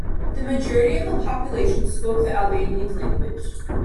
The majority of the population spoke the Albanian language.